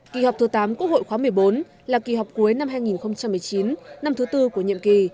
kỳ họp thứ tám quốc hội khóa một mươi bốn là kỳ họp cuối năm hai nghìn một mươi chín năm thứ tư của nhiệm kỳ